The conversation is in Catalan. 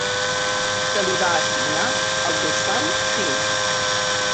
Se li va assignar el dorsal cinc.